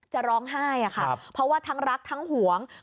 จะร้องไห้อะคะเพราะว่าทั้งรักทั้งหวงค่ะครับ